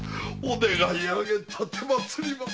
願いあげ奉ります。